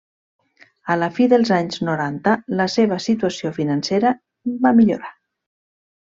A la fi dels anys noranta la seva situació financera va millorar.